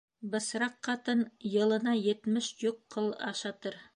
Бысраҡ ҡатын йылына етмеш йөк ҡыл ашатыр.